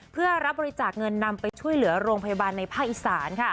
เพื่อรับบริจาคเงินนำไปช่วยเหลือโรงพยาบาลในภาคอีสาน